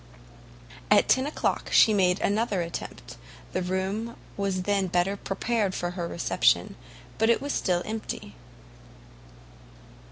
At 10 o'clock she made another attempt: the room was then better prepared for her reception, but still it was empty.